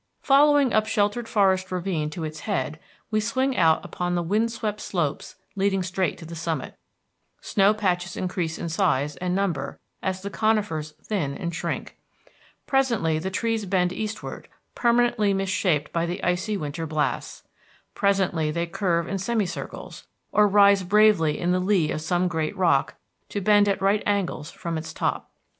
Following up some sheltered forested ravine to its head, we swing out upon the wind swept slopes leading straight to the summit. Snow patches increase in size and number as the conifers thin and shrink. Presently the trees bend eastward, permanently mis shaped by the icy winter blasts. Presently they curve in semi circles, or rise bravely in the lee of some great rock, to bend at right angles from its top.